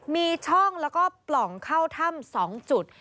มีช่องแล้วก็ปล่องเข้าถ้ำ๒จุด